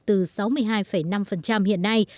từ sáu mươi hai năm hiện nay